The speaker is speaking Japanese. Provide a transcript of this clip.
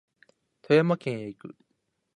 富山県へ行く